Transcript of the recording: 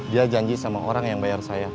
dia janji sama orang yang bayar saya